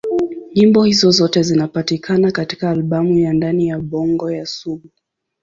Nyimbo hizo zote zinapatikana katika albamu ya Ndani ya Bongo ya Sugu.